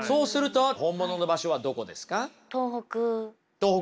東北。